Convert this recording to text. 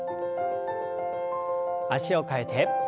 脚を替えて。